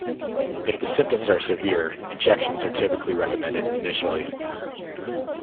If the symptoms are severe, injections are typically recommended initially.